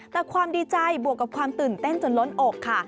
แต่ความดีใจบวกกับความตื่นเต้นจนล้นอกค่ะ